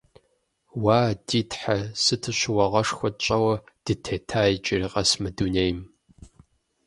Уа, ди Тхьэ, сыту щыуагъэшхуэ тщӀэуэ дытета иджыри къэс мы дунейм!